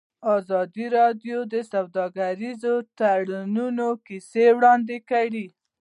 ازادي راډیو د سوداګریز تړونونه کیسې وړاندې کړي.